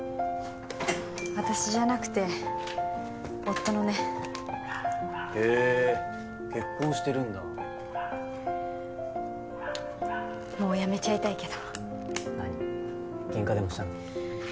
私じゃなくて夫のねへえ結婚してるんだもうやめちゃいたいけど何ケンカでもしたの？